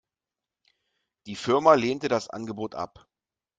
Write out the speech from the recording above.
Die Firma lehnte das Angebot ab.